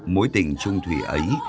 mối tình trung thủy ấy